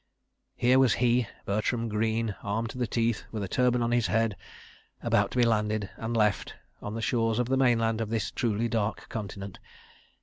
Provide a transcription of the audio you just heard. Here was he, Bertram Greene, armed to the teeth, with a turban on his head, about to be landed—and left—on the shores of the mainland of this truly Dark Continent.